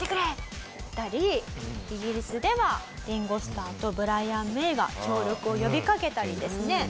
だったりイギリスではリンゴ・スターとブライアン・メイが協力を呼びかけたりですね